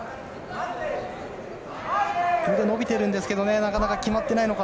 腕、伸びてるんですけどなかなか決まっていないのか。